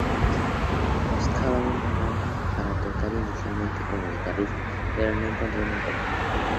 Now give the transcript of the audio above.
Buscaba una banda para tocar, inicialmente como guitarrista, pero no encontró ninguna.